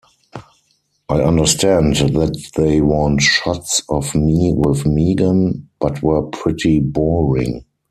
I understand that they want shots of me with Megan, but we're pretty boring.